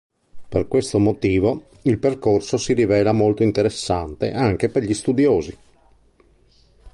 Per questo motivo, il percorso si rivela molto interessante anche per gli studiosi.